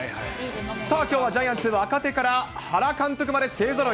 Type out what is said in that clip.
さあ、きょうはジャイアンツの若手から原監督まで勢ぞろい。